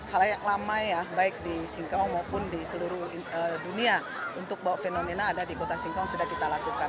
hal yang lama ya baik di singkawang maupun di seluruh dunia untuk bawa fenomena ada di kota singkawang sudah kita lakukan